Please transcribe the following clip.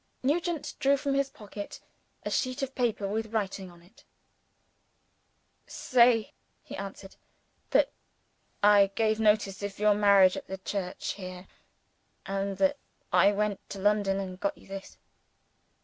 Nugent drew from his pocket a sheet of paper with writing on it. "Say," he answered, "that I gave notice of your marriage at the church here and that I went to London and got you _this.